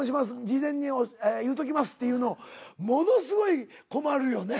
事前に言うときます」っていうのものすごい困るよね。